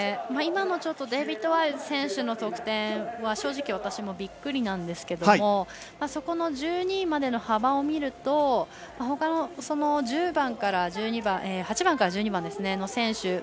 今のデイビッド・ワイズ選手の得点は正直、私もびっくりなんですけどそこの１２位までの幅を見るとほかの８番から１２番の選手